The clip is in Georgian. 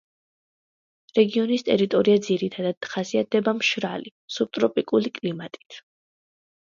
რეგიონის ტერიტორია ძირითადად ხასიათდება მშრალი სუბტროპიკული კლიმატით.